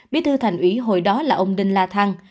bí thư thành ủy hội đó là ông đinh la thăng